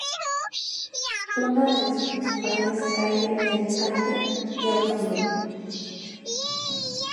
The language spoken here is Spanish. Una de las principales calle de Alicante lleva su nombre.